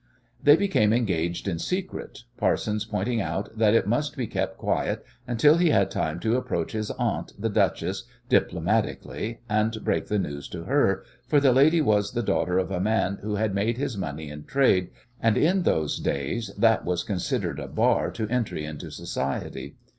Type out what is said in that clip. They became engaged in secret, Parsons pointing out that it must be kept quiet until he had time to approach his aunt, the duchess, diplomatically and break the news to her, for the lady was the daughter of a man who had made his money in trade, and in those days that was considered a bar to entry into society.